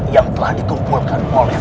yang telah dikumpulkan oleh